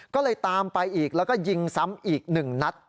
ก็เลยตามไปอีกแล้วก็ยิงซ้ำอีก๑นัด